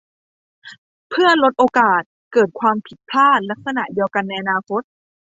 เพื่อลดโอกาสเกิดความผิดพลาดลักษณะเดียวกันในอนาคต